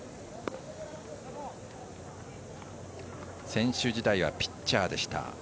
選手時代はピッチャーでした。